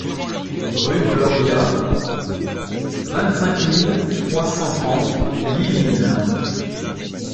Rue Gloria, vingt-cinq mille trois cent trente Lizine